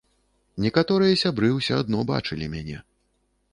Некаторыя сябры ўсё адно бачылі мяне.